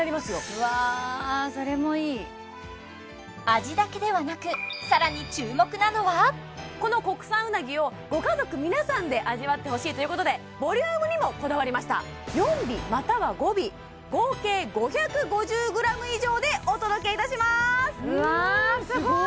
うわそれもいい味だけではなくこの国産うなぎをご家族皆さんで味わってほしいということでボリュームにもこだわりました４尾または５尾合計５５０ｇ以上でお届けいたしますすごい！